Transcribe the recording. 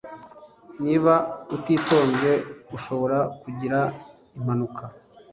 Niba utitonze ushobora kugira impanuka